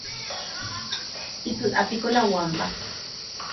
Iky'ápiko la guampa.